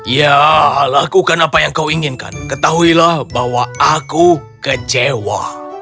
ya lakukan apa yang kau inginkan ketahuilah bahwa aku kecewa